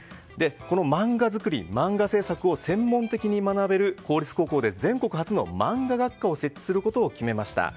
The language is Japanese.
漫画作り漫画制作を専門的に学べる公立高校で全国初のマンガ学科を設置することを決めました。